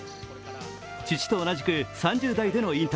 父と同じく３０代の引退。